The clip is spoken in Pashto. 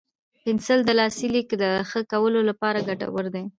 پنسل د لاسي لیک د ښه کولو لپاره ګټور دی.